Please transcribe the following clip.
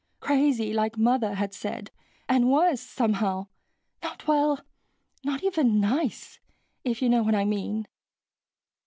Crazy, like Mother had said, and worse, somehow. Not well, not even nice, if you know what I mean."